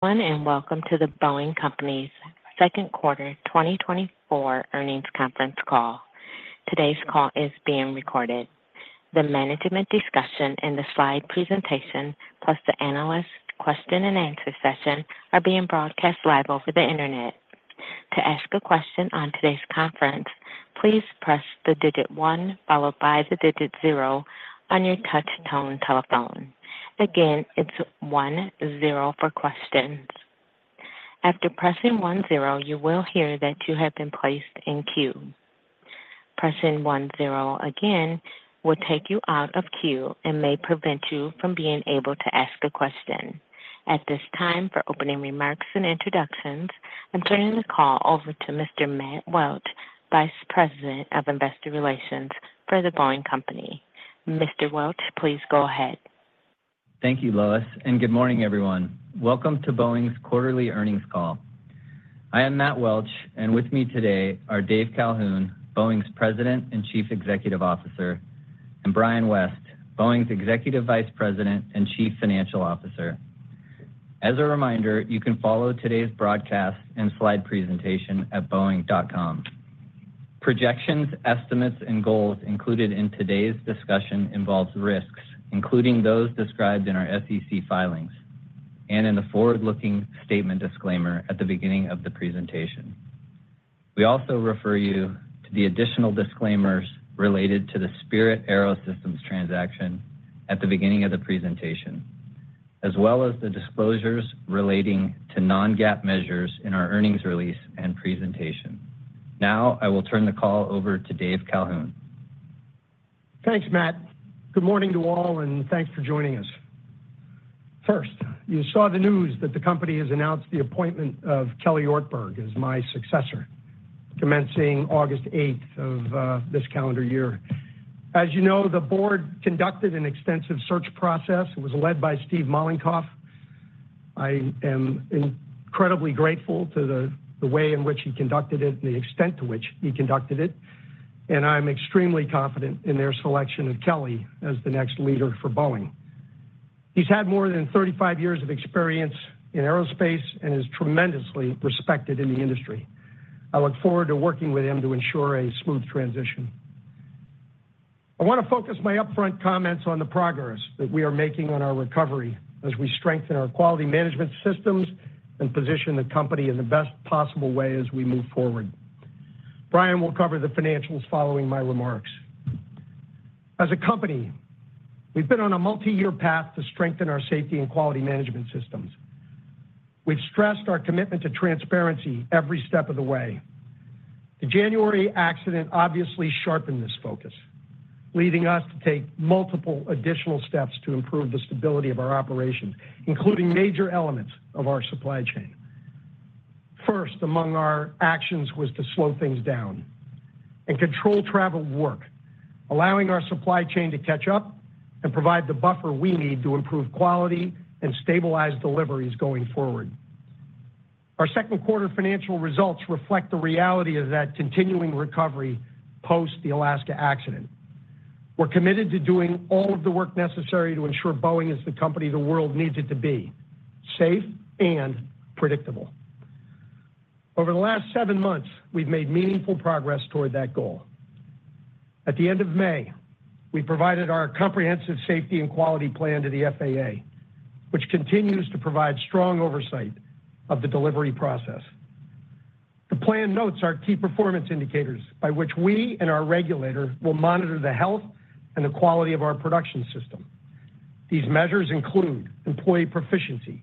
Hello, and welcome to The Boeing Company's second quarter 2024 earnings conference call. Today's call is being recorded. The management discussion and the slide presentation, plus the analyst question and answer session, are being broadcast live over the Internet. To ask a question on today's conference, please press the digit one, followed by the digit zero on your touchtone telephone. Again, it's one, zero for questions. After pressing one zero, you will hear that you have been placed in queue. Pressing one zero again will take you out of queue and may prevent you from being able to ask a question. At this time, for opening remarks and introductions, I'm turning the call over to Mr. Matt Welch, Vice President of Investor Relations for The Boeing Company. Mr. Welch, please go ahead. Thank you, Lois, and good morning, everyone. Welcome to Boeing's quarterly earnings call. I am Matt Welch, and with me today are Dave Calhoun, Boeing's President and Chief Executive Officer, and Brian West, Boeing's Executive Vice President and Chief Financial Officer. As a reminder, you can follow today's broadcast and slide presentation at boeing.com. Projections, estimates, and goals included in today's discussion involves risks, including those described in our SEC filings and in the forward-looking statement disclaimer at the beginning of the presentation. We also refer you to the additional disclaimers related to the Spirit AeroSystems transaction at the beginning of the presentation, as well as the disclosures relating to non-GAAP measures in our earnings release and presentation. Now, I will turn the call over to Dave Calhoun. Thanks, Matt. Good morning to all, and thanks for joining us. First, you saw the news that the company has announced the appointment of Kelly Ortberg as my successor, commencing August eighth of this calendar year. As you know, the board conducted an extensive search process. It was led by Steve Mollenkopf. I am incredibly grateful to the, the way in which he conducted it and the extent to which he conducted it, and I'm extremely confident in their selection of Kelly as the next leader for Boeing. He's had more than 35 years of experience in aerospace and is tremendously respected in the industry. I look forward to working with him to ensure a smooth transition. I want to focus my upfront comments on the progress that we are making on our recovery as we strengthen our quality management systems and position the company in the best possible way as we move forward. Brian will cover the financials following my remarks. As a company, we've been on a multi-year path to strengthen our safety and quality management systems. We've stressed our commitment to transparency every step of the way. The January accident obviously sharpened this focus, leading us to take multiple additional steps to improve the stability of our operations, including major elements of our supply chain. First, among our actions, was to slow things down and control traveled work, allowing our supply chain to catch up and provide the buffer we need to improve quality and stabilize deliveries going forward. Our second quarter financial results reflect the reality of that continuing recovery post the Alaska accident. We're committed to doing all of the work necessary to ensure Boeing is the company the world needs it to be, safe and predictable. Over the last seven months, we've made meaningful progress toward that goal. At the end of May, we provided our comprehensive safety and quality plan to the FAA, which continues to provide strong oversight of the delivery process. The plan notes our key performance indicators by which we and our regulator will monitor the health and the quality of our production system. These measures include employee proficiency,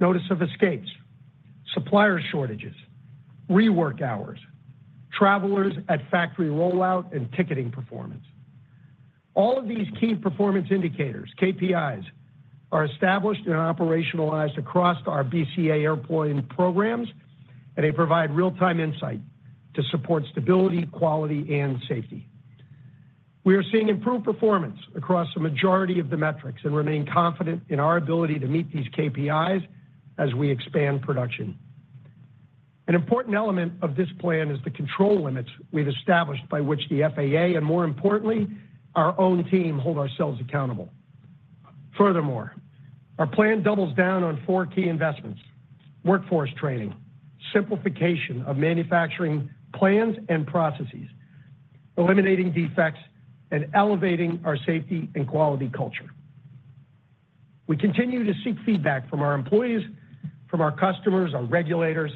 notice of escapes, supplier shortages, rework hours, travelers at factory rollout, and ticketing performance. All of these key performance indicators, KPIs, are established and operationalized across our BCA airplane programs, and they provide real-time insight to support stability, quality, and safety. We are seeing improved performance across the majority of the metrics and remain confident in our ability to meet these KPIs as we expand production. An important element of this plan is the control limits we've established by which the FAA, and more importantly, our own team, hold ourselves accountable. Furthermore, our plan doubles down on four key investments: workforce training, simplification of manufacturing plans and processes, eliminating defects, and elevating our safety and quality culture. We continue to seek feedback from our employees, from our customers, our regulators,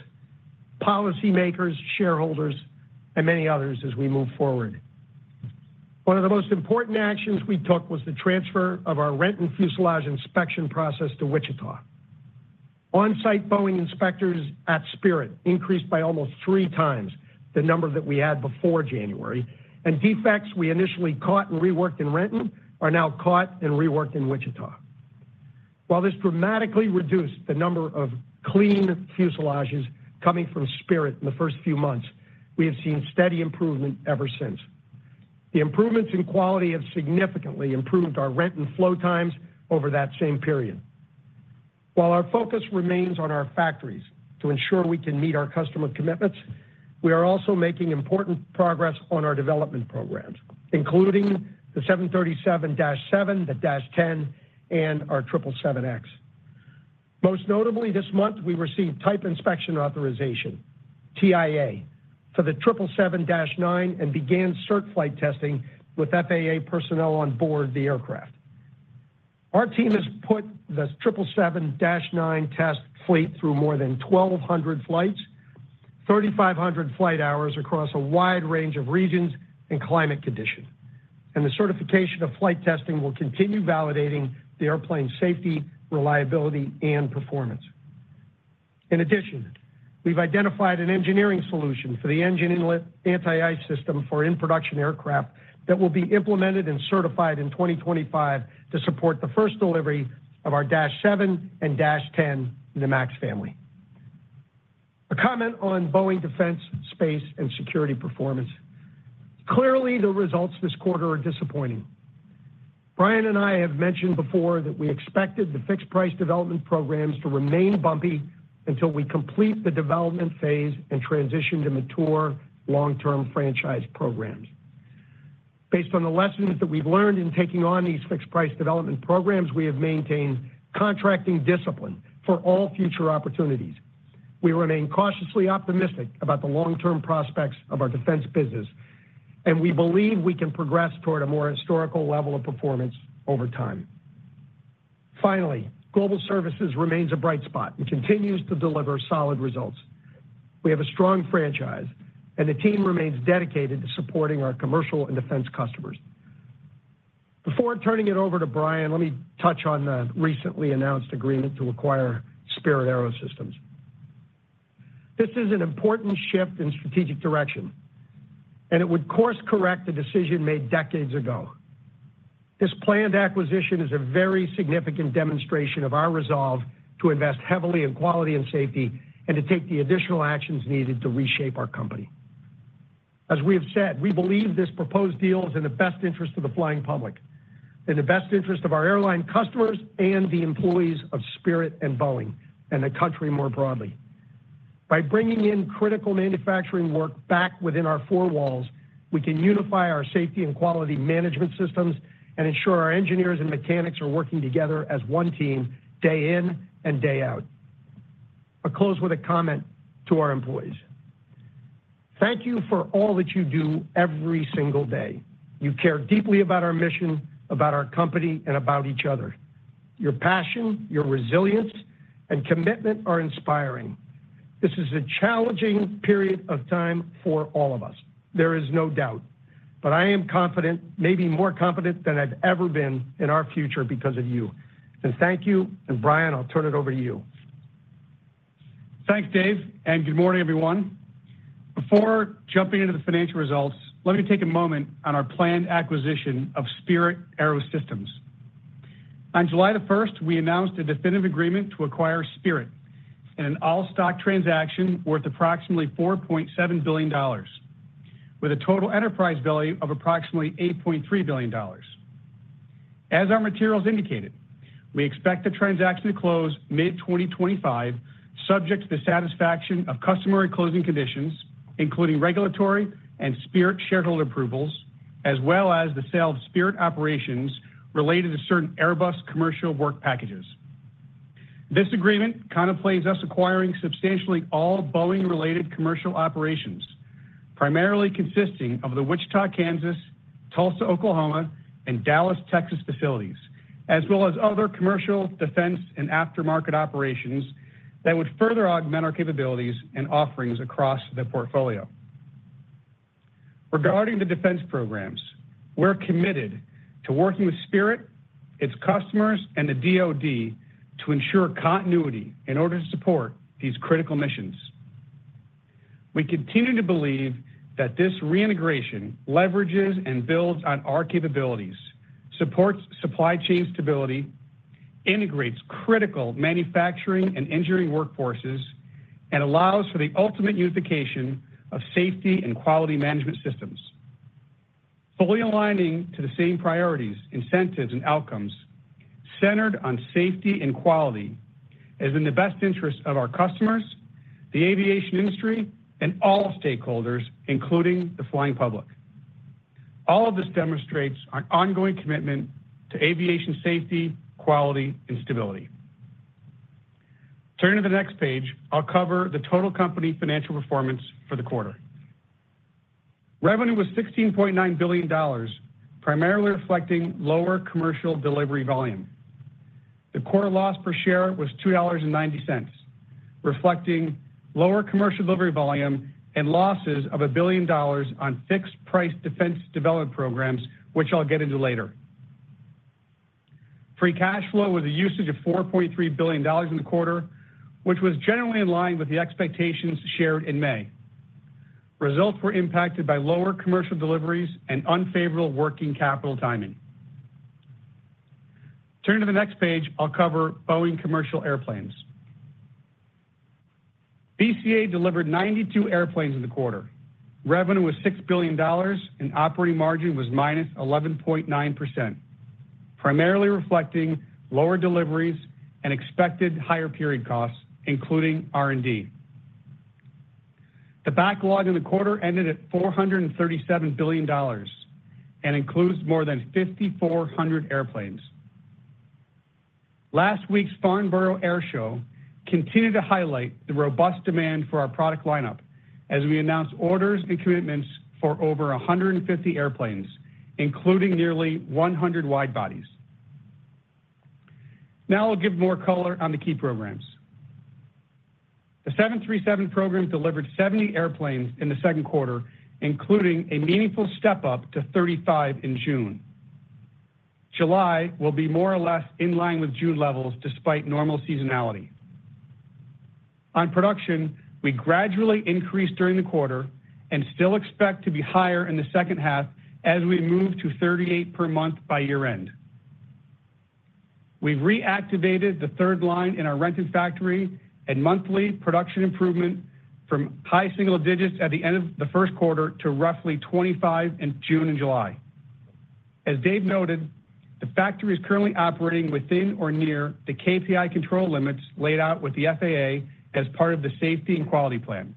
policymakers, shareholders, and many others as we move forward. One of the most important actions we took was the transfer of our Renton fuselage inspection process to Wichita. On-site Boeing inspectors at Spirit increased by almost three times the number that we had before January, and defects we initially caught and reworked in Renton are now caught and reworked in Wichita. While this dramatically reduced the number of clean fuselages coming from Spirit in the first few months, we have seen steady improvement ever since. The improvements in quality have significantly improved our Renton flow times over that same period. While our focus remains on our factories to ensure we can meet our customer commitments. We are also making important progress on our development programs, including the 737-7, the -10, and our 777X. Most notably, this month, we received Type Inspection Authorization, TIA, for the 777-9, and began cert flight testing with FAA personnel on board the aircraft. Our team has put the 777-9 test fleet through more than 1,200 flights, 3,500 flight hours across a wide range of regions and climate conditions, and the certification of flight testing will continue validating the airplane's safety, reliability, and performance. In addition, we've identified an engineering solution for the engine inlet anti-ice system for in-production aircraft that will be implemented and certified in 2025 to support the first delivery of our 737-7 and 737-10 in the MAX family. A comment on Boeing Defense, Space and Security performance. Clearly, the results this quarter are disappointing. Brian and I have mentioned before that we expected the fixed-price development programs to remain bumpy until we complete the development phase and transition to mature long-term franchise programs. Based on the lessons that we've learned in taking on these fixed-price development programs, we have maintained contracting discipline for all future opportunities. We remain cautiously optimistic about the long-term prospects of our defense business, and we believe we can progress toward a more historical level of performance over time. Finally, global services remains a bright spot and continues to deliver solid results. We have a strong franchise, and the team remains dedicated to supporting our commercial and defense customers. Before turning it over to Brian, let me touch on the recently announced agreement to acquire Spirit AeroSystems. This is an important shift in strategic direction, and it would course-correct a decision made decades ago. This planned acquisition is a very significant demonstration of our resolve to invest heavily in quality and safety and to take the additional actions needed to reshape our company. As we have said, we believe this proposed deal is in the best interest of the flying public, in the best interest of our airline customers and the employees of Spirit and Boeing, and the country more broadly. By bringing in critical manufacturing work back within our four walls, we can unify our safety and quality management systems and ensure our engineers and mechanics are working together as one team, day in and day out. I'll close with a comment to our employees. Thank you for all that you do every single day. You care deeply about our mission, about our company, and about each other. Your passion, your resilience, and commitment are inspiring. This is a challenging period of time for all of us. There is no doubt, but I am confident, maybe more confident than I've ever been in our future because of you. Thank you, and Brian, I'll turn it over to you. Thanks, Dave, and good morning, everyone. Before jumping into the financial results, let me take a moment on our planned acquisition of Spirit AeroSystems. On July 1, we announced a definitive agreement to acquire Spirit in an all-stock transaction worth approximately $4.7 billion, with a total enterprise value of approximately $8.3 billion. As our materials indicated, we expect the transaction to close mid-2025, subject to the satisfaction of customary closing conditions, including regulatory and Spirit shareholder approvals, as well as the sale of Spirit operations related to certain Airbus commercial work packages. This agreement contemplates us acquiring substantially all Boeing-related commercial operations, primarily consisting of the Wichita, Kansas, Tulsa, Oklahoma, and Dallas, Texas, facilities, as well as other commercial, defense, and aftermarket operations that would further augment our capabilities and offerings across the portfolio. Regarding the defense programs, we're committed to working with Spirit, its customers, and the DoD to ensure continuity in order to support these critical missions. We continue to believe that this reintegration leverages and builds on our capabilities, supports supply chain stability, integrates critical manufacturing and engineering workforces, and allows for the ultimate unification of safety and quality management systems. Fully aligning to the same priorities, incentives, and outcomes centered on safety and quality is in the best interest of our customers, the aviation industry, and all stakeholders, including the flying public. All of this demonstrates our ongoing commitment to aviation safety, quality, and stability. Turning to the next page, I'll cover the total company financial performance for the quarter. Revenue was $16.9 billion, primarily reflecting lower commercial delivery volume. The quarter loss per share was $2.90, reflecting lower commercial delivery volume and losses of $1 billion on fixed-price defense development programs, which I'll get into later. Free cash flow with a usage of $4.3 billion in the quarter, which was generally in line with the expectations shared in May. Results were impacted by lower commercial deliveries and unfavorable working capital timing. Turning to the next page, I'll cover Boeing Commercial Airplanes. BCA delivered 92 airplanes in the quarter. Revenue was $6 billion, and operating margin was -11.9%, primarily reflecting lower deliveries and expected higher period costs, including R&D. The backlog in the quarter ended at $437 billion and includes more than 5,400 airplanes. Last week's Farnborough Airshow continued to highlight the robust demand for our product lineup as we announced orders and commitments for over 150 airplanes, including nearly 100 wide bodies. Now I'll give more color on the key programs. The 737 program delivered 70 airplanes in the second quarter, including a meaningful step-up to 35 in June. July will be more or less in line with June levels despite normal seasonality. On production, we gradually increased during the quarter and still expect to be higher in the second half as we move to 38 per month by year-end. We've reactivated the third line in our Renton factory and monthly production improvement from high single digits at the end of the first quarter to roughly 25 in June and July. As Dave noted, the factory is currently operating within or near the KPI control limits laid out with the FAA as part of the safety and quality plan.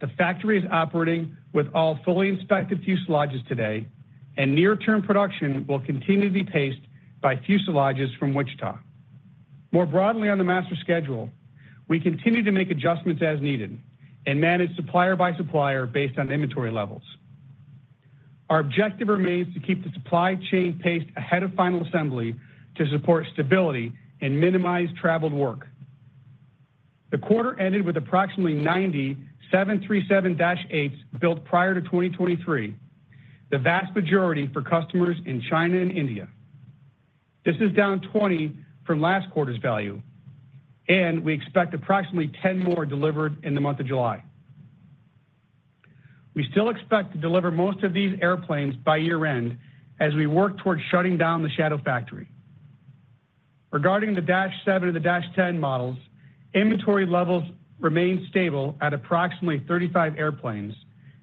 The factory is operating with all fully inspected fuselages today, and near-term production will continue to be paced by fuselages from Wichita. More broadly on the master schedule, we continue to make adjustments as needed and manage supplier by supplier based on inventory levels. Our objective remains to keep the supply chain paced ahead of final assembly to support stability and minimize traveled work. The quarter ended with approximately ninety 737-8s built prior to 2023, the vast majority for customers in China and India. This is down 20 from last quarter's value, and we expect approximately 10 more delivered in the month of July. We still expect to deliver most of these airplanes by year-end as we work towards shutting down the shadow factory. Regarding the dash seven or the dash 10 models, inventory levels remain stable at approximately 35 airplanes,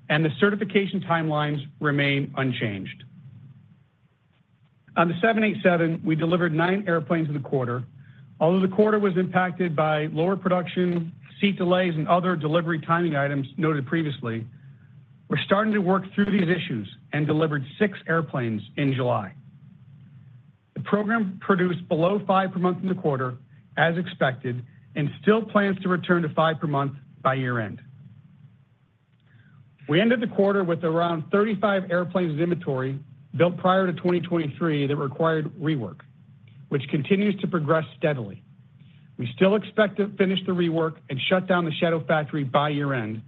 and the certification timelines remain unchanged. On the 787, we delivered 9 airplanes in the quarter. Although the quarter was impacted by lower production, seat delays, and other delivery timing items noted previously, we're starting to work through these issues and delivered 6 airplanes in July. The program produced below 5 per month in the quarter, as expected, and still plans to return to 5 per month by year-end. We ended the quarter with around 35 airplanes in inventory built prior to 2023 that required rework, which continues to progress steadily. We still expect to finish the rework and shut down the shadow factory by year-end,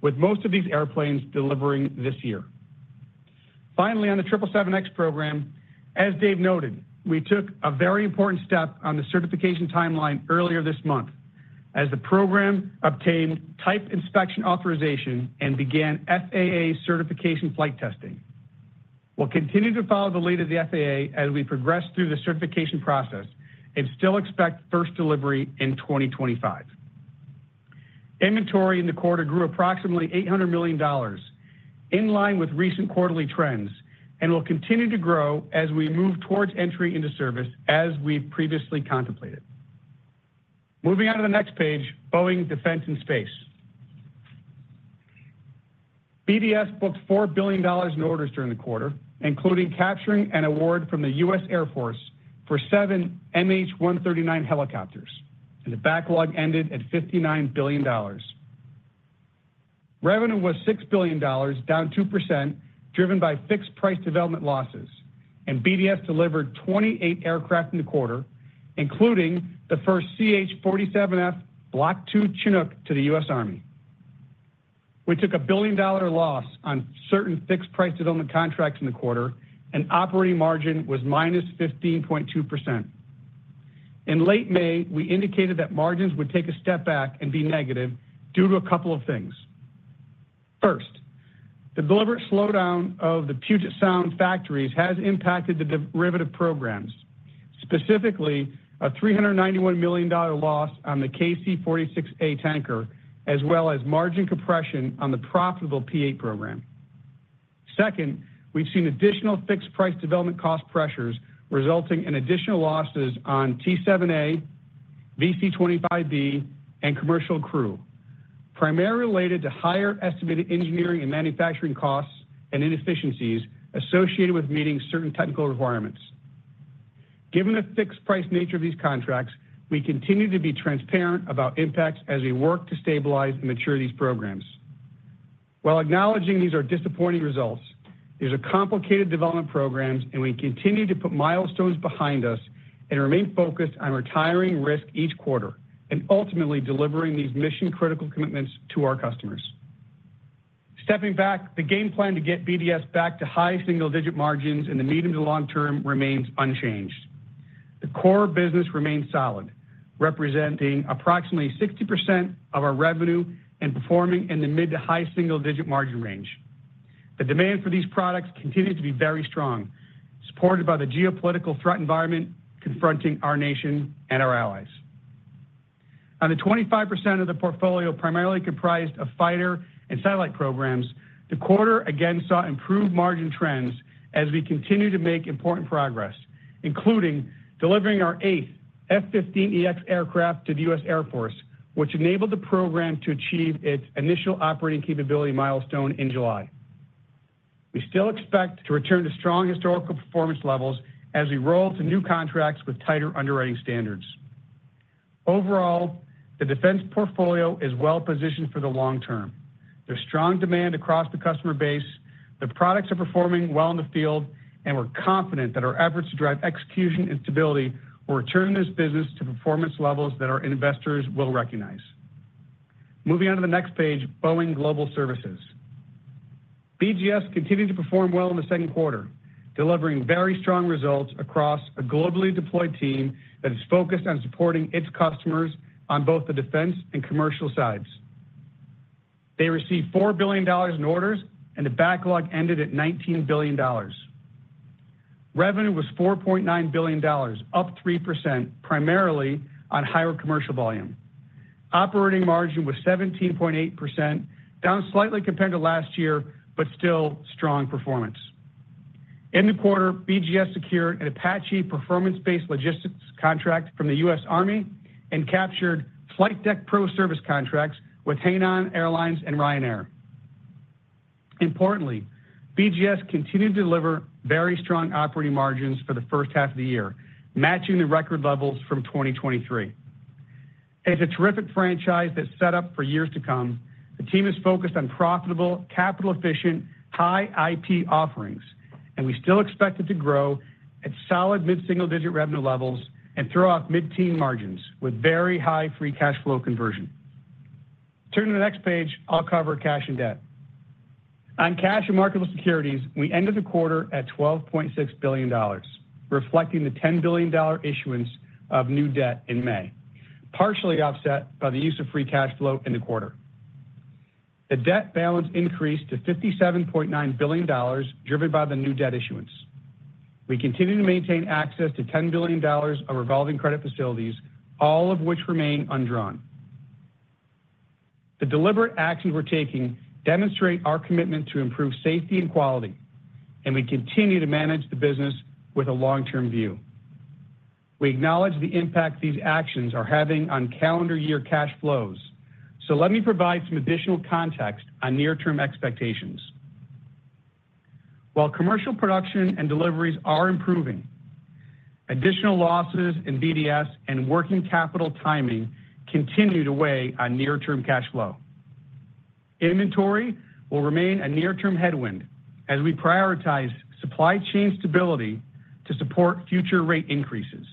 with most of these airplanes delivering this year. Finally, on the 777X program, as Dave noted, we took a very important step on the certification timeline earlier this month as the program obtained Type Inspection Authorization and began FAA certification flight testing. We'll continue to follow the lead of the FAA as we progress through the certification process and still expect first delivery in 2025. Inventory in the quarter grew approximately $800 million, in line with recent quarterly trends, and will continue to grow as we move towards entry into service as we've previously contemplated. Moving on to the next page, Boeing Defense and Space. BDS booked $4 billion in orders during the quarter, including capturing an award from the U.S. Air Force for seven MH-139 helicopters, and the backlog ended at $59 billion. Revenue was $6 billion, down 2%, driven by fixed-price development losses, and BDS delivered 28 aircraft in the quarter, including the first CH-47F Block II Chinook to the U.S. Army. We took a billion-dollar loss on certain fixed-price development contracts in the quarter, and operating margin was -15.2%. In late May, we indicated that margins would take a step back and be negative due to a couple of things. First, the deliberate slowdown of the Puget Sound factories has impacted the derivative programs, specifically a $391 million loss on the KC-46A tanker, as well as margin compression on the profitable P-8 program. Second, we've seen additional fixed-price development cost pressures, resulting in additional losses on T-7A, VC-25B, and Commercial Crew, primarily related to higher estimated engineering and manufacturing costs and inefficiencies associated with meeting certain technical requirements. Given the fixed-price nature of these contracts, we continue to be transparent about impacts as we work to stabilize and mature these programs. While acknowledging these are disappointing results, these are complicated development programs, and we continue to put milestones behind us and remain focused on retiring risk each quarter and ultimately delivering these mission-critical commitments to our customers. Stepping back, the game plan to get BDS back to high single-digit margins in the medium- to long-term remains unchanged. The core business remains solid, representing approximately 60% of our revenue and performing in the mid- to high single-digit margin range. The demand for these products continues to be very strong, supported by the geopolitical threat environment confronting our nation and our allies. On the 25% of the portfolio primarily comprised of fighter and satellite programs, the quarter again saw improved margin trends as we continue to make important progress, including delivering our eighth F-15EX aircraft to the U.S. Air Force, which enabled the program to achieve its initial operating capability milestone in July. We still expect to return to strong historical performance levels as we roll to new contracts with tighter underwriting standards. Overall, the defense portfolio is well-positioned for the long term. There's strong demand across the customer base, the products are performing well in the field, and we're confident that our efforts to drive execution and stability will return this business to performance levels that our investors will recognize. Moving on to the next page, Boeing Global Services. BGS continued to perform well in the second quarter, delivering very strong results across a globally deployed team that is focused on supporting its customers on both the defense and commercial sides. They received $4 billion in orders, and the backlog ended at $19 billion. Revenue was $4.9 billion, up 3%, primarily on higher commercial volume. Operating margin was 17.8%, down slightly compared to last year, but still strong performance. In the quarter, BGS secured an Apache performance-based logistics contract from the U.S. Army and captured Flight Deck Pro Service contracts with Hainan Airlines and Ryanair. Importantly, BGS continued to deliver very strong operating margins for the first half of the year, matching the record levels from 2023. It's a terrific franchise that's set up for years to come. The team is focused on profitable, capital-efficient, high IP offerings, and we still expect it to grow at solid mid-single-digit revenue levels and throw off mid-teen margins with very high free cash flow conversion. Turn to the next page, I'll cover cash and debt. On cash and marketable securities, we ended the quarter at $12.6 billion, reflecting the $10 billion issuance of new debt in May, partially offset by the use of free cash flow in the quarter. The debt balance increased to $57.9 billion, driven by the new debt issuance. We continue to maintain access to $10 billion of revolving credit facilities, all of which remain undrawn. The deliberate actions we're taking demonstrate our commitment to improve safety and quality, and we continue to manage the business with a long-term view. We acknowledge the impact these actions are having on calendar year cash flows. So let me provide some additional context on near-term expectations. While commercial production and deliveries are improving, additional losses in BDS and working capital timing continue to weigh on near-term cash flow. Inventory will remain a near-term headwind as we prioritize supply chain stability to support future rate increases,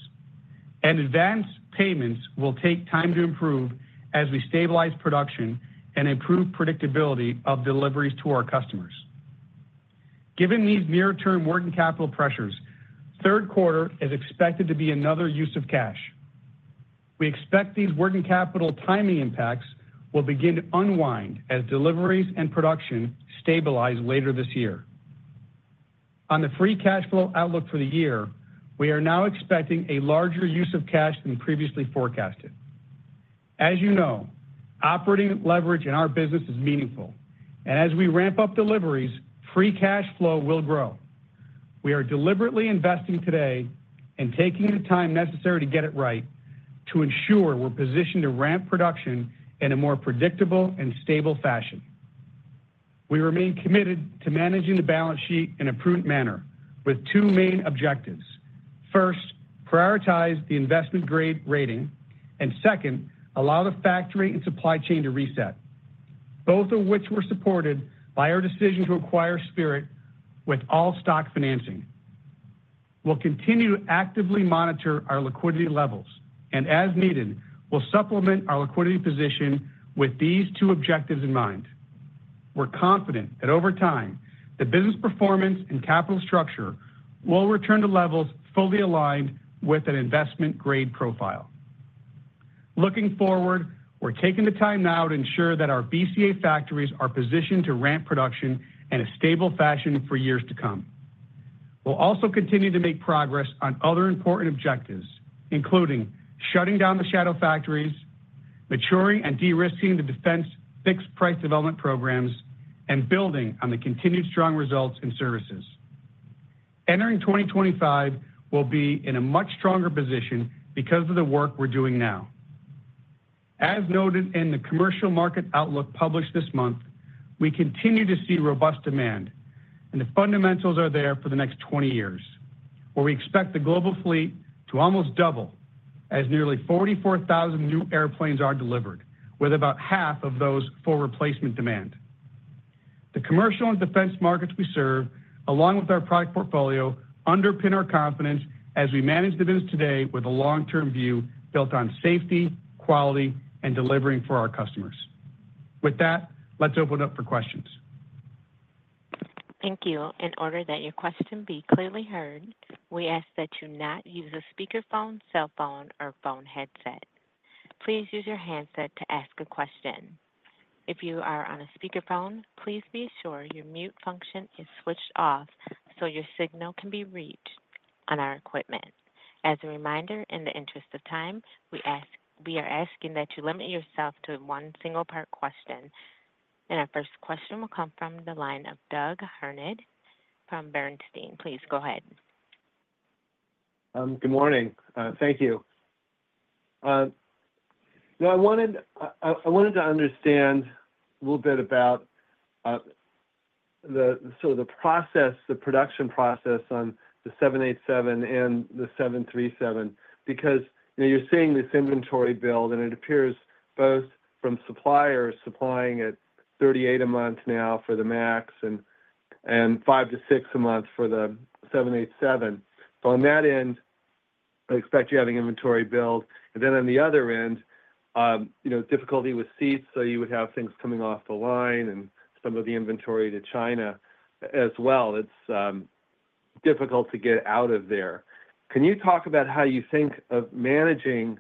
and advanced payments will take time to improve as we stabilize production and improve predictability of deliveries to our customers. Given these near-term working capital pressures, third quarter is expected to be another use of cash. We expect these working capital timing impacts will begin to unwind as deliveries and production stabilize later this year. On the free cash flow outlook for the year, we are now expecting a larger use of cash than previously forecasted. As you know, operating leverage in our business is meaningful, and as we ramp up deliveries, free cash flow will grow. We are deliberately investing today and taking the time necessary to get it right to ensure we're positioned to ramp production in a more predictable and stable fashion. We remain committed to managing the balance sheet in a prudent manner with two main objectives. First, prioritize the investment-grade rating, and second, allow the factory and supply chain to reset, both of which were supported by our decision to acquire Spirit with all-stock financing. We'll continue to actively monitor our liquidity levels, and as needed, we'll supplement our liquidity position with these two objectives in mind. We're confident that over time, the business performance and capital structure will return to levels fully aligned with an investment-grade profile. Looking forward, we're taking the time now to ensure that our BCA factories are positioned to ramp production in a stable fashion for years to come. We'll also continue to make progress on other important objectives, including shutting down the shadow factories, maturing and de-risking the defense fixed price development programs, and building on the continued strong results in services. Entering 2025, we'll be in a much stronger position because of the work we're doing now. As noted in the Commercial Market Outlook published this month, we continue to see robust demand, and the fundamentals are there for the next 20 years, where we expect the global fleet to almost double as nearly 44,000 new airplanes are delivered, with about half of those for replacement demand. The commercial and defense markets we serve, along with our product portfolio, underpin our confidence as we manage the business today with a long-term view built on safety, quality, and delivering for our customers. With that, let's open up for questions. Thank you. In order that your question be clearly heard, we ask that you not use a speakerphone, cell phone, or phone headset. Please use your handset to ask a question. If you are on a speakerphone, please be sure your mute function is switched off so your signal can be reached on our equipment. As a reminder, in the interest of time, we ask, we are asking that you limit yourself to one single part question. Our first question will come from the line of Doug Harned from Bernstein. Please go ahead. Good morning. Thank you. Now I wanted to understand a little bit about so the process, the production process on the 787 and the 737, because, you know, you're seeing this inventory build, and it appears both from suppliers supplying at 38 a month now for the MAX and 5-6 a month for the 787. So on that end, I expect you're having inventory build. And then on the other end, you know, difficulty with seats, so you would have things coming off the line and some of the inventory to China as well. It's difficult to get out of there. Can you talk about how you think of managing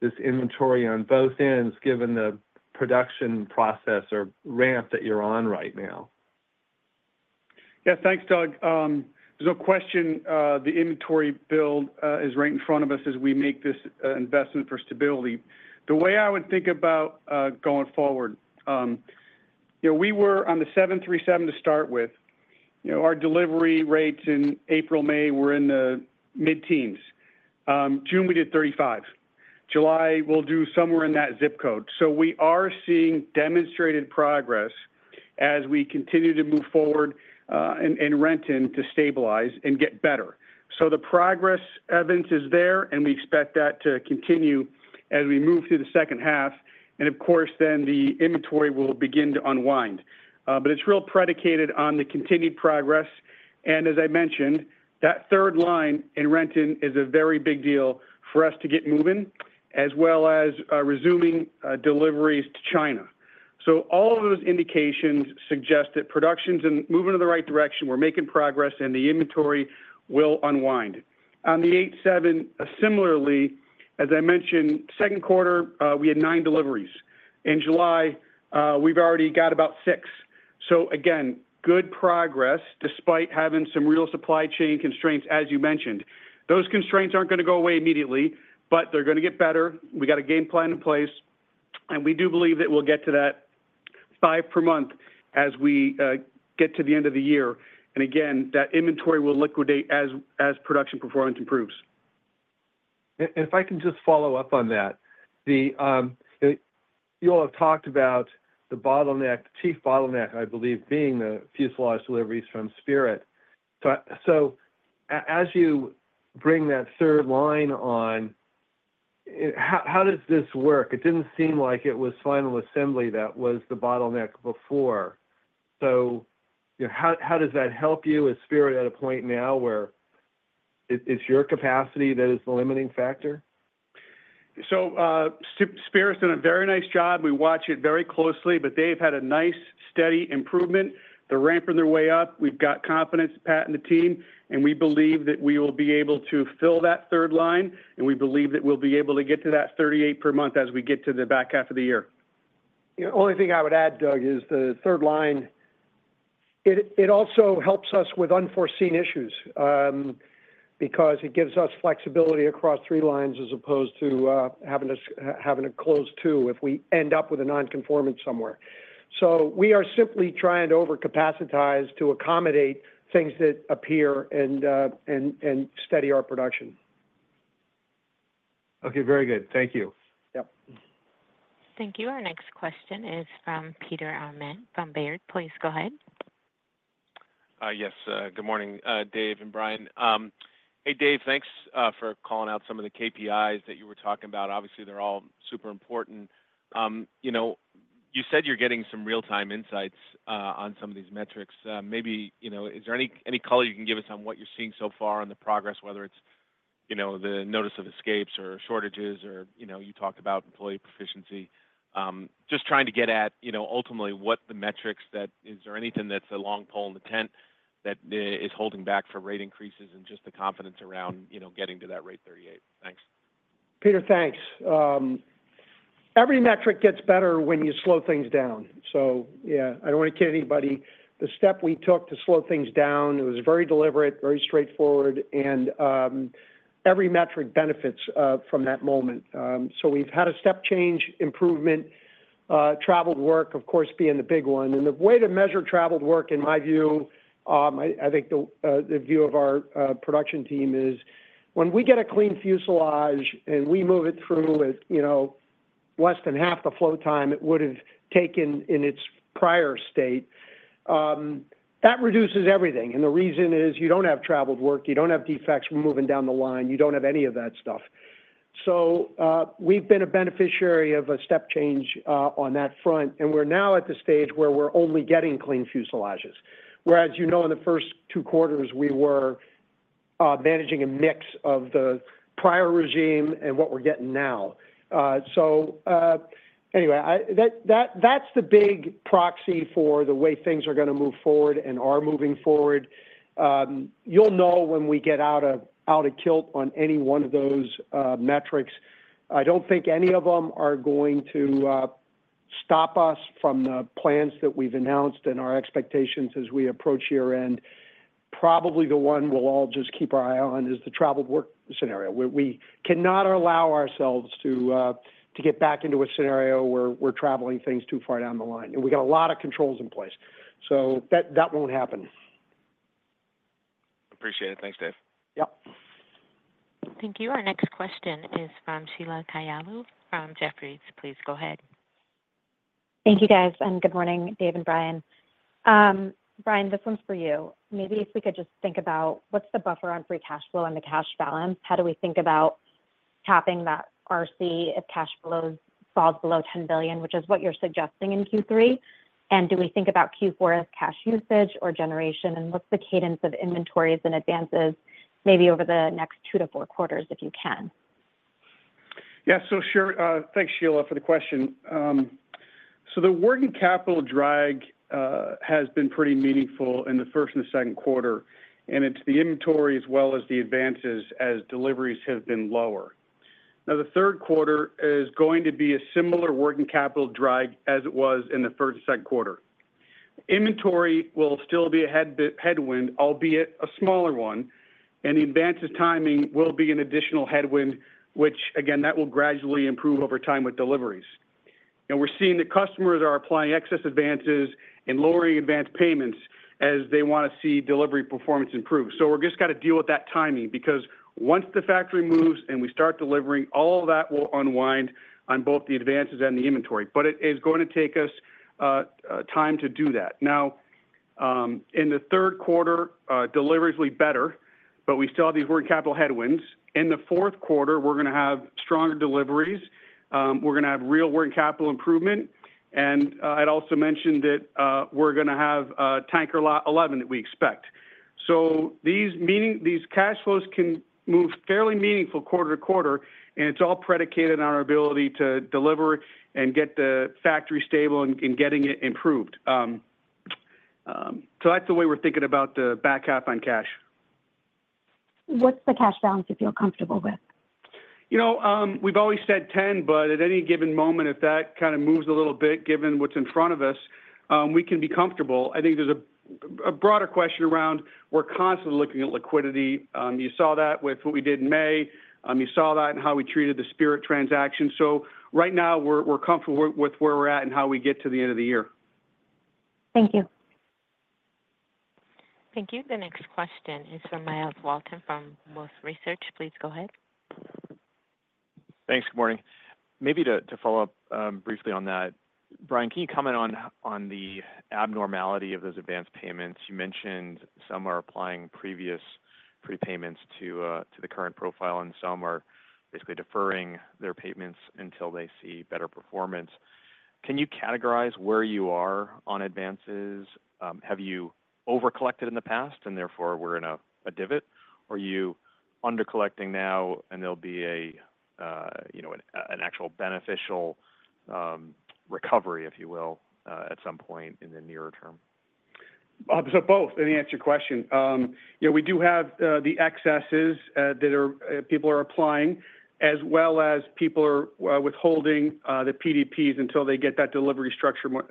this inventory on both ends, given the production process or ramp that you're on right now? Yeah. Thanks, Doug. There's no question, the inventory build is right in front of us as we make this investment for stability. The way I would think about going forward, you know, we were on the 737 to start with. You know, our delivery rates in April, May were in the mid-teens. June, we did 35. July, we'll do somewhere in that zip code. So we are seeing demonstrated progress as we continue to move forward, in Renton to stabilize and get better. So the progress evidence is there, and we expect that to continue as we move through the second half, and of course, then the inventory will begin to unwind. But it's really predicated on the continued progress, and as I mentioned, that third line in Renton is a very big deal for us to get moving, as well as resuming deliveries to China. So all of those indications suggest that production's moving in the right direction, we're making progress, and the inventory will unwind. On the 787, similarly, as I mentioned, second quarter, we had 9 deliveries. In July, we've already got about 6. So again, good progress, despite having some real supply chain constraints, as you mentioned. Those constraints aren't gonna go away immediately, but they're gonna get better. We got a game plan in place, and we do believe that we'll get to that 5 per month as we get to the end of the year. And again, that inventory will liquidate as production performance improves. If I can just follow up on that. You all have talked about the bottleneck, the chief bottleneck, I believe, being the fuselage deliveries from Spirit. So, as you bring that third line on, how, how does this work? It didn't seem like it was final assembly that was the bottleneck before. So, you know, how does that help you? Is Spirit at a point now where it, it's your capacity that is the limiting factor? So, Spirit's done a very nice job. We watch it very closely, but they've had a nice, steady improvement. They're ramping their way up. We've got confidence, Pat and the team, and we believe that we will be able to fill that third line, and we believe that we'll be able to get to that 38 per month as we get to the back half of the year. The only thing I would add, Doug, is the third line. It also helps us with unforeseen issues, because it gives us flexibility across three lines as opposed to having to close two if we end up with a nonconformance somewhere. So we are simply trying to overcapacitize to accommodate things that appear and steady our production. Okay, very good. Thank you. Yep. Thank you. Our next question is from Peter Arment from Baird. Please go ahead. Yes. Good morning, Dave and Brian. Hey, Dave, thanks for calling out some of the KPIs that you were talking about. Obviously, they're all super important. You know, you said you're getting some real-time insights on some of these metrics. Maybe, you know, is there any color you can give us on what you're seeing so far on the progress, whether it's, you know, the notice of escapes or shortages or, you know, you talked about employee proficiency? Just trying to get at, you know, ultimately, what the metrics that is there anything that's a long pole in the tent that is holding back for rate increases and just the confidence around, you know, getting to that rate 38? Thanks. Peter, thanks. Every metric gets better when you slow things down. So yeah, I don't want to kid anybody. The step we took to slow things down, it was very deliberate, very straightforward, and every metric benefits from that moment. So we've had a step change improvement, traveled work, of course, being the big one. And the way to measure traveled work, in my view, I think the view of our production team is, when we get a clean fuselage and we move it through at, you know, less than half the flow time it would have taken in its prior state, that reduces everything, and the reason is you don't have traveled work, you don't have defects moving down the line, you don't have any of that stuff. So, we've been a beneficiary of a step change on that front, and we're now at the stage where we're only getting clean fuselages. Whereas, you know, in the first two quarters, we were managing a mix of the prior regime and what we're getting now. So, anyway, that's the big proxy for the way things are gonna move forward and are moving forward. You'll know when we get out of kilter on any one of those metrics. I don't think any of them are going to stop us from the plans that we've announced and our expectations as we approach year-end. Probably the one we'll all just keep our eye on is the traveled work scenario, where we cannot allow ourselves to, to get back into a scenario where we're traveling things too far down the line. And we've got a lot of controls in place, so that, that won't happen. Appreciate it. Thanks, Dave. Yep. Thank you. Our next question is from Sheila Kahyaoglu from Jefferies. Please go ahead. Thank you, guys, and good morning, Dave and Brian. Brian, this one's for you. Maybe if we could just think about what's the buffer on free cash flow and the cash balance, how do we think about tapping that RC if cash flows falls below $10 billion, which is what you're suggesting in Q3? And do we think about Q4 as cash usage or generation? And what's the cadence of inventories and advances maybe over the next two to four quarters, if you can? Yeah, so sure. Thanks, Sheila, for the question. So the working capital drag has been pretty meaningful in the first and the second quarter, and it's the inventory as well as the advances as deliveries have been lower. Now, the third quarter is going to be a similar working capital drag as it was in the first and second quarter. Inventory will still be a headwind, albeit a smaller one, and the advances timing will be an additional headwind, which, again, that will gradually improve over time with deliveries. And we're seeing that customers are applying excess advances and lowering advanced payments as they want to see delivery performance improve. So we're just got to deal with that timing, because once the factory moves and we start delivering, all of that will unwind on both the advances and the inventory. But it is going to take us time to do that. Now, in the third quarter, deliveries will be better, but we still have these working capital headwinds. In the fourth quarter, we're gonna have stronger deliveries, we're gonna have real working capital improvement, and I'd also mentioned that we're gonna have tanker lot eleven that we expect. So these cash flows can move fairly meaningful quarter to quarter, and it's all predicated on our ability to deliver and get the factory stable and getting it improved. So that's the way we're thinking about the back half on cash. What's the cash balance you feel comfortable with? You know, we've always said 10, but at any given moment, if that kind of moves a little bit, given what's in front of us, we can be comfortable. I think there's a broader question around we're constantly looking at liquidity. You saw that with what we did in May. You saw that in how we treated the Spirit transaction. So right now, we're comfortable with where we're at and how we get to the end of the year. Thank you. Thank you. The next question is from Myles Walton, from Wolfe Research. Please go ahead. Thanks. Good morning. Maybe to follow up briefly on that, Brian, can you comment on the abnormality of those advanced payments? You mentioned some are applying previous prepayments to the current profile, and some are basically deferring their payments until they see better performance. Can you categorize where you are on advances? Have you overcollected in the past, and therefore, we're in a divot, or are you undercollecting now, and there'll be a you know, an actual beneficial recovery, if you will, at some point in the nearer term? So both, let me answer your question. You know, we do have the excesses that people are applying, as well as people are withholding the PDPs until they get that delivery structure more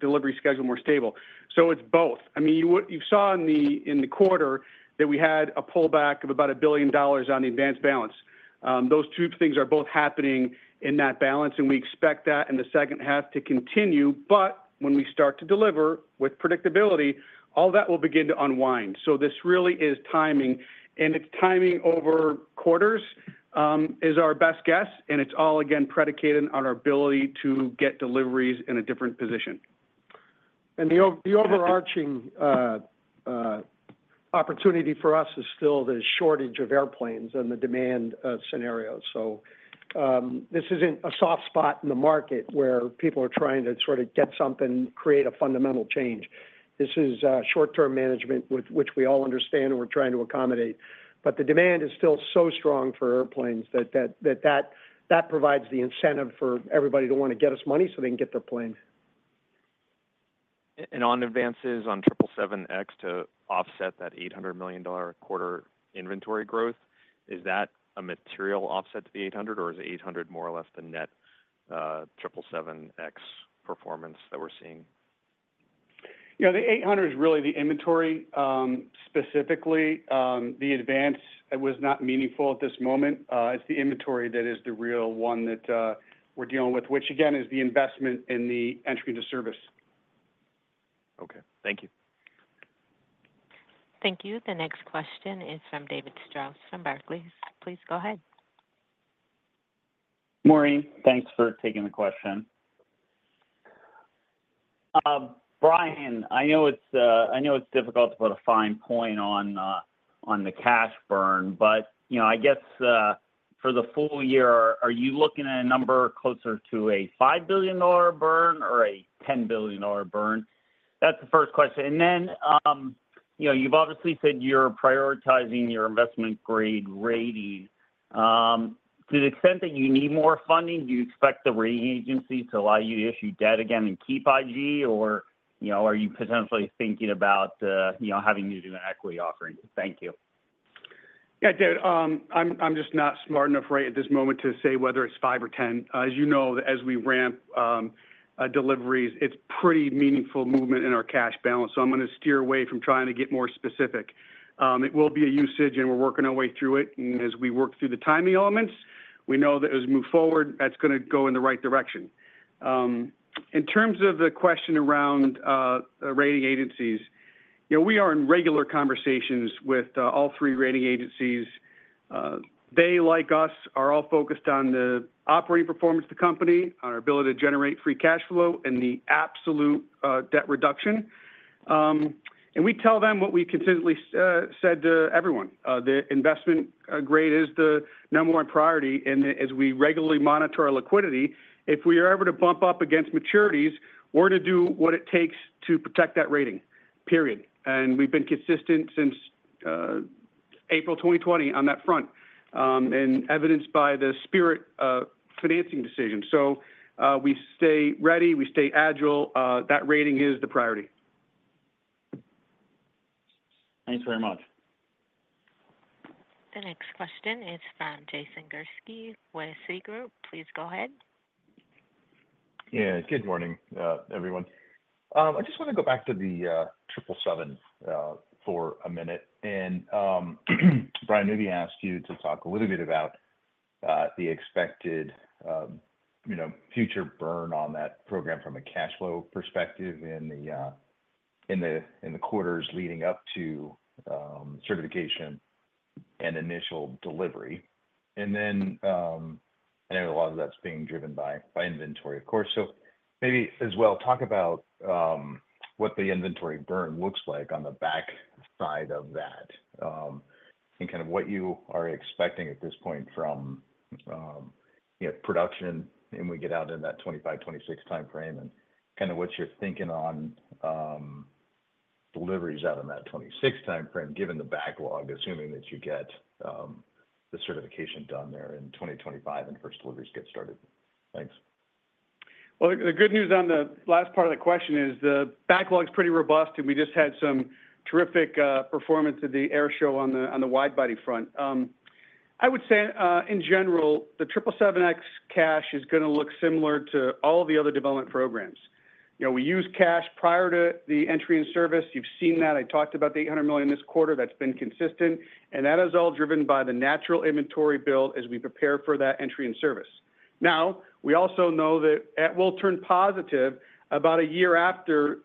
delivery schedule more stable. So it's both. I mean, you saw in the quarter that we had a pullback of about $1 billion on the advanced balance. Those two things are both happening in that balance, and we expect that in the second half to continue, but when we start to deliver with predictability, all that will begin to unwind. So this really is timing, and it's timing over quarters is our best guess, and it's all again predicated on our ability to get deliveries in a different position. The overarching opportunity for us is still the shortage of airplanes and the demand scenario. So, this isn't a soft spot in the market where people are trying to sort of get something, create a fundamental change. This is short-term management, which we all understand and we're trying to accommodate. But the demand is still so strong for airplanes that that provides the incentive for everybody to want to get us money so they can get their plane. On advances on 777X to offset that $800 million quarter inventory growth, is that a material offset to the $800, or is the $800 more or less the net 777X performance that we're seeing? You know, the 800 is really the inventory. Specifically, the advance was not meaningful at this moment. It's the inventory that is the real one that we're dealing with, which again, is the investment in the entry into service. Okay. Thank you. Thank you. The next question is from David Strauss, from Barclays. Please go ahead. Morning. Thanks for taking the question. Brian, I know it's, I know it's difficult to put a fine point on, on the cash burn, but, you know, I guess, for the full year, are you looking at a number closer to a $5 billion burn or a $10 billion burn? That's the first question. And then, you know, you've obviously said you're prioritizing your investment grade rating. To the extent that you need more funding, do you expect the rating agency to allow you to issue debt again and keep IG, or, you know, are you potentially thinking about, you know, having to do an equity offering? Thank you.... Yeah, Dave, I'm just not smart enough right at this moment to say whether it's 5 or 10. As you know, as we ramp deliveries, it's pretty meaningful movement in our cash balance. So I'm gonna steer away from trying to get more specific. It will be a usage, and we're working our way through it. And as we work through the timing elements, we know that as we move forward, that's gonna go in the right direction. In terms of the question around the rating agencies, you know, we are in regular conversations with all three rating agencies. They, like us, are all focused on the operating performance of the company, on our ability to generate free cash flow, and the absolute debt reduction. And we tell them what we consistently said to everyone, the investment grade is the number one priority. And as we regularly monitor our liquidity, if we are ever to bump up against maturities, we're to do what it takes to protect that rating, period. And we've been consistent since April 2020 on that front, and evidenced by the Spirit financing decision. So, we stay ready, we stay agile, that rating is the priority. Thanks very much. The next question is from Jason Gursky with Citigroup. Please go ahead. Yeah. Good morning, everyone. I just want to go back to the Triple Seven for a minute. And Brian let me ask you to talk a little bit about the expected, you know, future burn on that program from a cash flow perspective in the quarters leading up to certification and initial delivery. And then I know a lot of that's being driven by inventory, of course. So maybe as well, talk about what the inventory burn looks like on the backside of that, and kind of what you are expecting at this point from, you know, production, and we get out in that 25, 26 timeframe, and kind of what you're thinking on deliveries out in that 26 timeframe, given the backlog, assuming that you get the certification done there in 2025 and first deliveries get started. Thanks. Well, the good news on the last part of the question is, the backlog is pretty robust, and we just had some terrific performance at the air show on the wide body front. I would say in general, the 777X cash is gonna look similar to all the other development programs. You know, we use cash prior to the entry and service. You've seen that. I talked about the $800 million this quarter, that's been consistent, and that is all driven by the natural inventory build as we prepare for that entry and service. Now, we also know that it will turn positive about a year after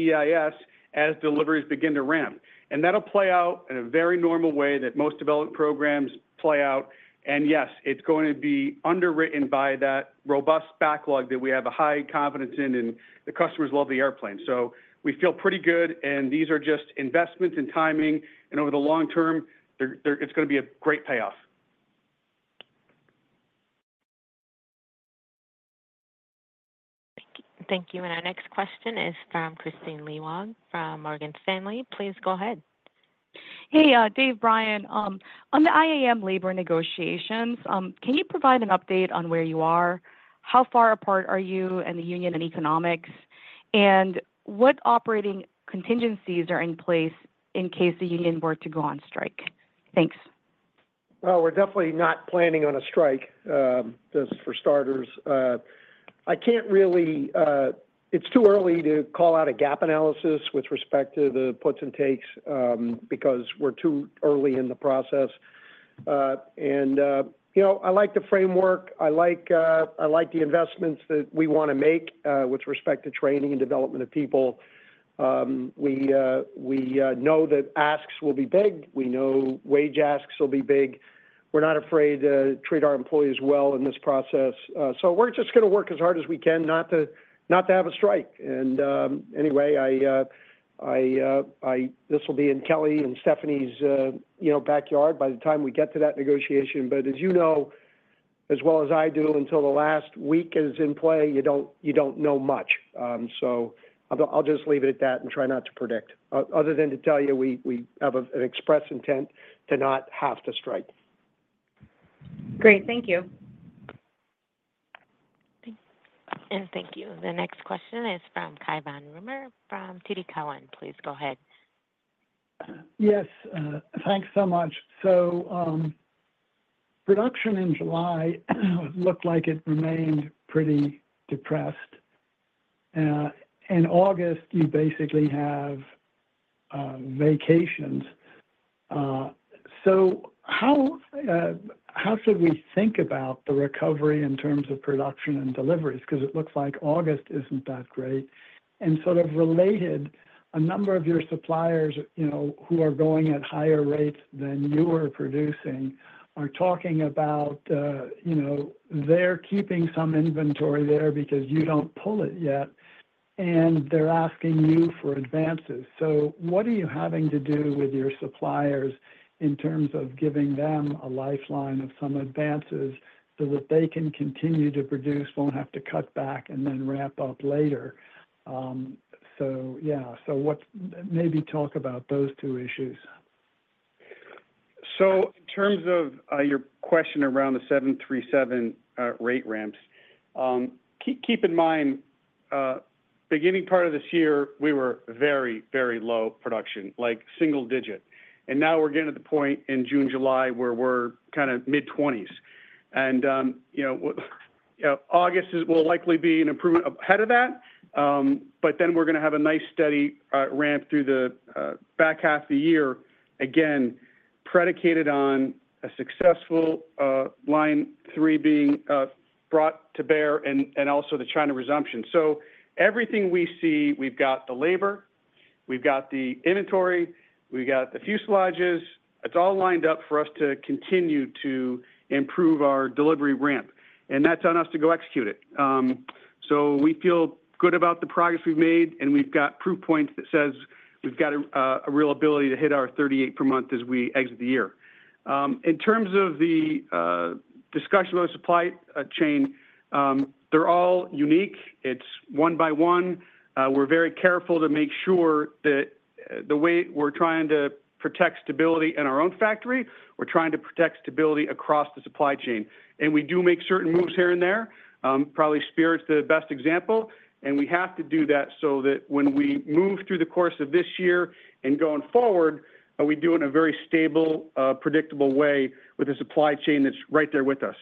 EIS, as deliveries begin to ramp. And that'll play out in a very normal way that most development programs play out. And yes, it's going to be underwritten by that robust backlog that we have a high confidence in, and the customers love the airplane. So we feel pretty good, and these are just investments in timing, and over the long term, it's gonna be a great payoff. Thank you. Thank you. And our next question is from Kristine Liwag from Morgan Stanley. Please go ahead. Hey, Dave, Brian, on the IAM labor negotiations, can you provide an update on where you are? How far apart are you and the union in economics? And what operating contingencies are in place in case the union were to go on strike? Thanks. Well, we're definitely not planning on a strike, just for starters. I can't really... It's too early to call out a gap analysis with respect to the puts and takes, because we're too early in the process. You know, I like the framework. I like, I like the investments that we wanna make, with respect to training and development of people. We know that asks will be big. We know wage asks will be big. We're not afraid to treat our employees well in this process. So we're just gonna work as hard as we can not to, not to have a strike. And, anyway, I, I, this will be in Kelly and Stephanie's, you know, backyard by the time we get to that negotiation. But as you know, as well as I do, until the last week is in play, you don't, you don't know much. So I'll just leave it at that and try not to predict. Other than to tell you, we have an express intent to not have to strike. Great. Thank you. Thank you. And thank you. The next question is from Cai von Rumohr, from TD Cowen. Please go ahead. Yes, thanks so much. So, production in July looked like it remained pretty depressed. In August, you basically have vacations. So how should we think about the recovery in terms of production and deliveries? Because it looks like August isn't that great. And sort of related, a number of your suppliers, you know, who are going at higher rates than you are producing, are talking about, you know, they're keeping some inventory there because you don't pull it yet, and they're asking you for advances. So what are you having to do with your suppliers in terms of giving them a lifeline of some advances so that they can continue to produce, won't have to cut back and then ramp up later? So yeah, so what—maybe talk about those two issues. So in terms of your question around the 737 rate ramps, keep in mind beginning part of this year, we were very, very low production, like single digit. And now we're getting to the point in June, July, where we're kind of mid-20s. And you know, August will likely be an improvement ahead of that, but then we're gonna have a nice, steady ramp through the back half of the year. Again, predicated on a successful line three being brought to bear and also the China resumption. So everything we see, we've got the labor, we've got the inventory, we've got the fuselages. It's all lined up for us to continue to improve our delivery ramp, and that's on us to go execute it. So we feel good about the progress we've made, and we've got proof points that says we've got a real ability to hit our 38 per month as we exit the year. In terms of the discussion about supply chain, they're all unique. It's one by one. We're very careful to make sure that the way we're trying to protect stability in our own factory, we're trying to protect stability across the supply chain. We do make certain moves here and there, probably Spirit's the best example, and we have to do that so that when we move through the course of this year and going forward, are we doing a very stable, predictable way with a supply chain that's right there with us.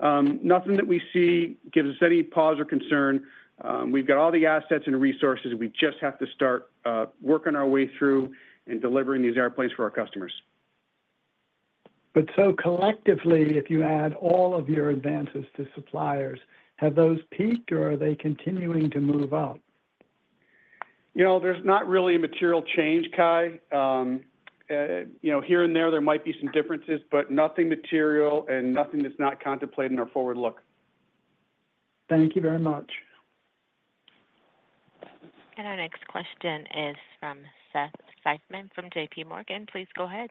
Nothing that we see gives us any pause or concern. We've got all the assets and resources. We just have to start working our way through and delivering these airplanes for our customers. Collectively, if you add all of your advances to suppliers, have those peaked, or are they continuing to move up? You know, there's not really a material change, Cai. You know, here and there, there might be some differences, but nothing material and nothing that's not contemplated in our forward look. Thank you very much. Our next question is from Seth Seifman from JPMorgan. Please go ahead.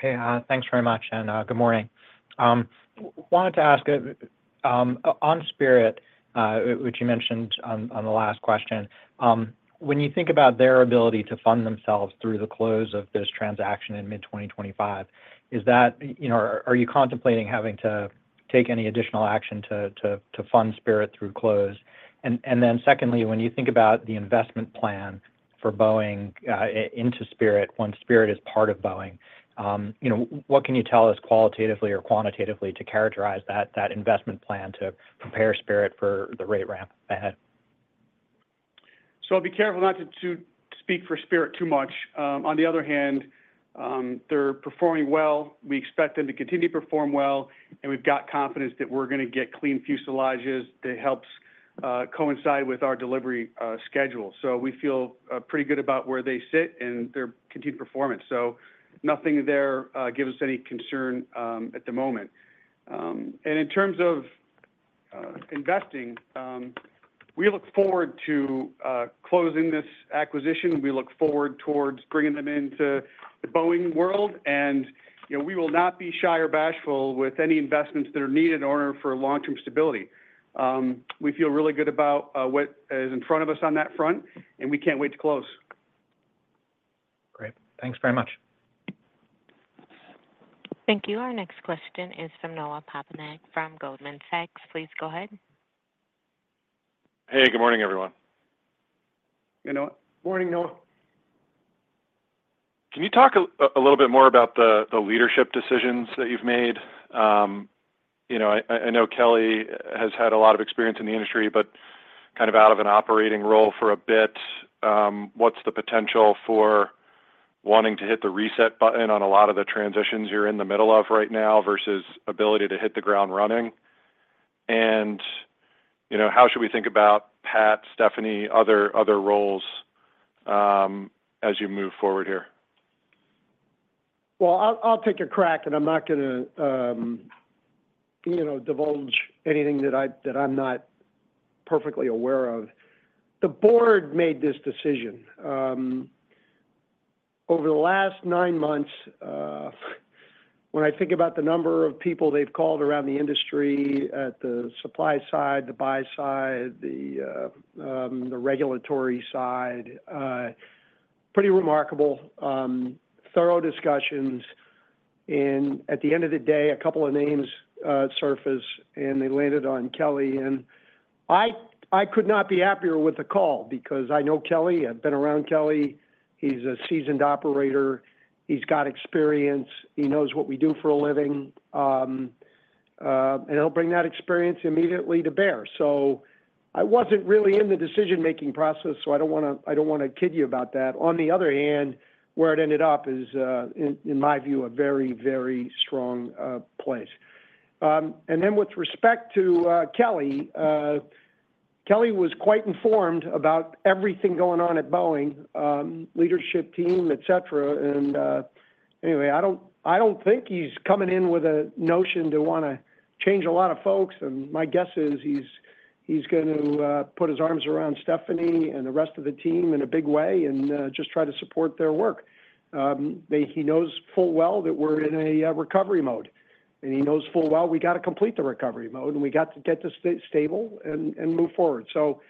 Hey, thanks very much, and, good morning. Wanted to ask, on Spirit, which you mentioned on the last question, when you think about their ability to fund themselves through the close of this transaction in mid-2025, is that, you know, are you contemplating having to take any additional action to fund Spirit through close? And then secondly, when you think about the investment plan for Boeing, into Spirit, when Spirit is part of Boeing, you know, what can you tell us qualitatively or quantitatively to characterize that investment plan to prepare Spirit for the rate ramp ahead? So I'll be careful not to speak for Spirit too much. On the other hand, they're performing well. We expect them to continue to perform well, and we've got confidence that we're gonna get clean fuselages that helps coincide with our delivery schedule. So we feel pretty good about where they sit and their continued performance. So nothing there gives us any concern at the moment. And in terms of investing, we look forward to closing this acquisition. We look forward towards bringing them into the Boeing world, and, you know, we will not be shy or bashful with any investments that are needed in order for long-term stability. We feel really good about what is in front of us on that front, and we can't wait to close. Great. Thanks very much. Thank you. Our next question is from Noah Poponak from Goldman Sachs. Please go ahead. Hey, good morning, everyone. Hey, Noah. Morning, Noah. Can you talk a little bit more about the leadership decisions that you've made? You know, I know Kelly has had a lot of experience in the industry, but kind of out of an operating role for a bit, what's the potential for wanting to hit the reset button on a lot of the transitions you're in the middle of right now versus ability to hit the ground running? And, you know, how should we think about Pat, Stephanie, other roles, as you move forward here? Well, I'll take a crack, and I'm not gonna, you know, divulge anything that I'm not perfectly aware of. The board made this decision. Over the last nine months, when I think about the number of people they've called around the industry, at the supply side, the buy side, the regulatory side, pretty remarkable, thorough discussions. And at the end of the day, a couple of names surfaced, and they landed on Kelly. And I could not be happier with the call because I know Kelly. I've been around Kelly. He's a seasoned operator. He's got experience. He knows what we do for a living. And he'll bring that experience immediately to bear. So I wasn't really in the decision-making process, so I don't wanna kid you about that. On the other hand, where it ended up is, in my view, a very, very strong place. And then with respect to Kelly, Kelly was quite informed about everything going on at Boeing, leadership team, et cetera. And anyway, I don't think he's coming in with a notion to wanna change a lot of folks. And my guess is he's going to put his arms around Stephanie and the rest of the team in a big way and just try to support their work. He knows full well that we're in a recovery mode, and he knows full well we got to complete the recovery mode, and we got to get this stable and move forward. So,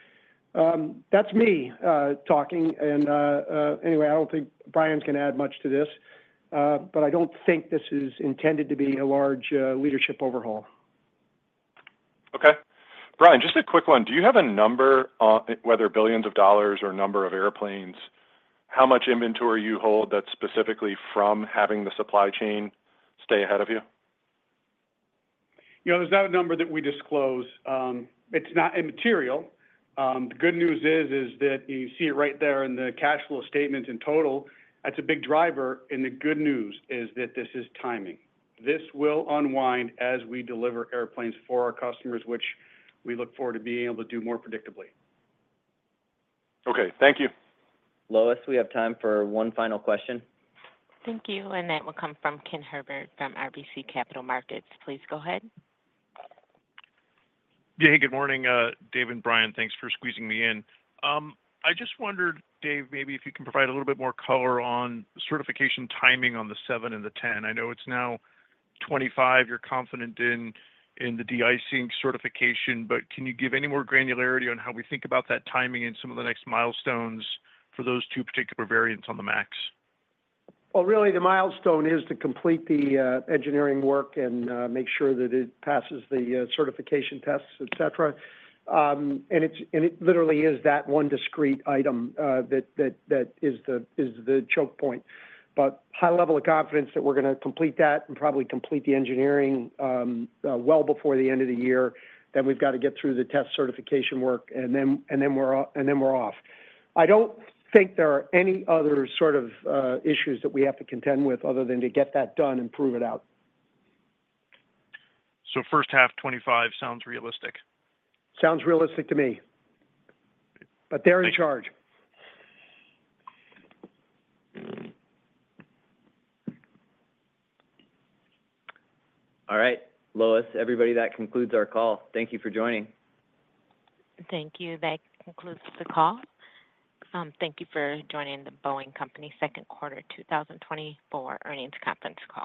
that's me talking, and anyway, I don't think Brian can add much to this. But I don't think this is intended to be a large leadership overhaul. Okay. Brian, just a quick one. Do you have a number on, whether billions of dollars or number of airplanes, how much inventory you hold that's specifically from having the supply chain stay ahead of you? You know, there's not a number that we disclose. It's not immaterial. The good news is, is that you see it right there in the cash flow statement in total, that's a big driver, and the good news is that this is timing. This will unwind as we deliver airplanes for our customers, which we look forward to being able to do more predictably. Okay. Thank you. Lois, we have time for one final question. Thank you, and that will come from Ken Herbert from RBC Capital Markets. Please go ahead. Yeah, good morning, Dave and Brian. Thanks for squeezing me in. I just wondered, Dave, maybe if you can provide a little bit more color on certification timing on the seven and the 10. I know it's now 25, you're confident in, in the de-icing certification, but can you give any more granularity on how we think about that timing and some of the next milestones for those two particular variants on the MAX? Well, really, the milestone is to complete the engineering work and make sure that it passes the certification tests, et cetera. And it's and it literally is that one discrete item that is the choke point. But high level of confidence that we're gonna complete that and probably complete the engineering well before the end of the year. Then we've got to get through the test certification work, and then, and then we're off, and then we're off. I don't think there are any other sort of issues that we have to contend with other than to get that done and prove it out. First half, 25 sounds realistic? Sounds realistic to me. Thank you. But they're in charge. All right, Lois, everybody, that concludes our call. Thank you for joining. Thank you. That concludes the call. Thank you for joining The Boeing Company second quarter 2024 earnings conference call.